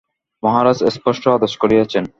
মহারাজ স্পষ্ট আদেশ করিয়াছেন।